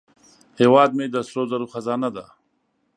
هیواد مې د سرو زرو خزانه ده